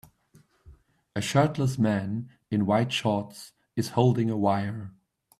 A shirtless man in white shorts is holding a wire.